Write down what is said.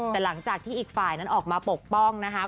แต่หลังจากที่อีกฝ่ายนั้นออกมาปกป้องนะคะ